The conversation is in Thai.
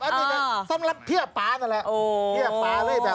อันนี้ครับสำหรับเคี้ยปลานั่นแหละเ